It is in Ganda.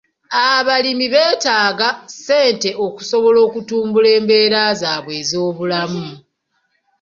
Abalimi beetaaga ssente okusobola okutumbula embeera zaabwe ez'obulamu.